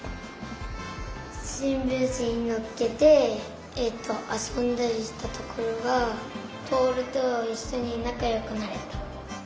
しんぶんしにのっけてえっとあそんだりしたところがぼおるといっしょになかよくなれた。